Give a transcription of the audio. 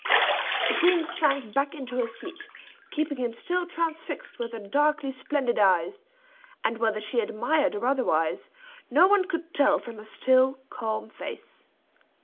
The queen sank back into her seat, keeping him still transfixed with her darkly splendid eyes; and whether she admired or otherwise, no one could tell from her still, calm face.